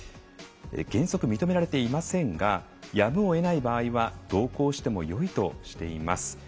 原則認められていませんがやむをえない場合は同行してもよいとしています。